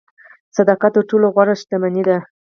صداقت تر ټولو غوره شتمني ده.